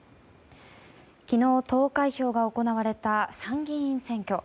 昨日、投開票が行われた参議院選挙。